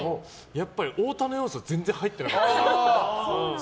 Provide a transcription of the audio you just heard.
やっぱり太田の要素は全然入ってなかった。